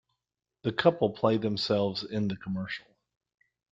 The couple play themselves in the commercial.